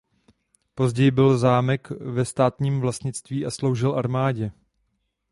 Později byl zámek ve státním vlastnictví a sloužil armádě.